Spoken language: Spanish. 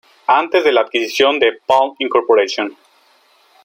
Antes de la adquisición de Palm, Inc.